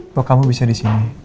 bahwa kamu bisa di sini